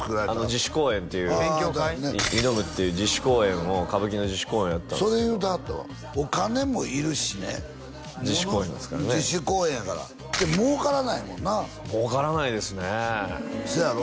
自主公演っていう勉強会「挑む」っていう自主公演を歌舞伎の自主公演をそれ言うてはったわお金もいるしね自主公演ですからね自主公演やからで儲からないもんな儲からないですねせやろ？